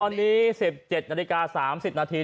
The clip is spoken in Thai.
ตอนนี้สิบเจ็ดนาฬิกาสามสิบนาที